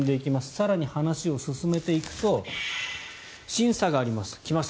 更に話を進めていくと審査があります。来ました、